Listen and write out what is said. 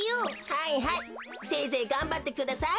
はいはいせいぜいがんばってください。